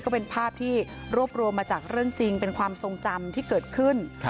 ก็เป็นภาพที่รวบรวมมาจากเรื่องจริงเป็นความทรงจำที่เกิดขึ้น